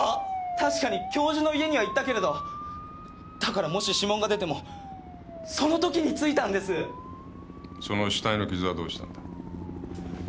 確かに教授の家には行ったけれどだからもし指紋が出てもその時に付いたんですその額の傷はどうしたんだ？